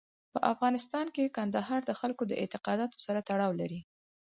په افغانستان کې کندهار د خلکو د اعتقاداتو سره تړاو لري.